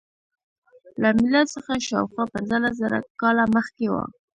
له میلاد څخه شاوخوا پنځلس زره کاله مخکې و.